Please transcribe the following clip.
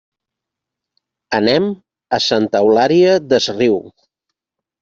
Anem a Santa Eulària des Riu.